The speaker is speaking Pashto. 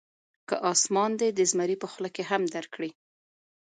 که اسمان دې د زمري په خوله کې هم درکړي.